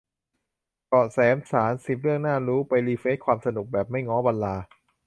เกาะแสมสาร สิบ เรื่องน่ารู้ ไปรีเฟรชความสนุกแบบไม่ง้อวันลา